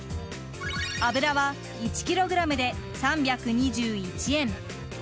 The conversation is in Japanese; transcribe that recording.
油は１ｋｇで３２１円。